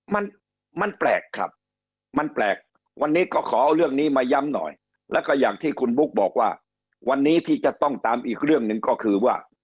มันมันแปลกครับมันแปลกวันนี้ก็ขอเอาเรื่องนี้มาย้ำหน่อยแล้วก็อย่างที่คุณบุ๊กบอกว่าวันนี้ที่จะต้องตามอีกเรื่องหนึ่งก็คือว่า